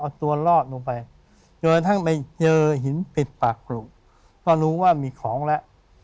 เอาตัวรอดลงไปจนกระทั่งไปเจอหินปิดปากกรุก็รู้ว่ามีของแล้ว